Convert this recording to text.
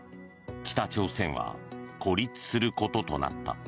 北朝鮮は孤立することとなった。